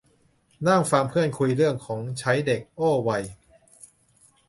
นั่งฟังเพื่อนคุยเรื่องของใช้เด็ก โอ้ วัย